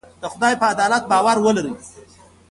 د خدای په عدالت باور ولرئ.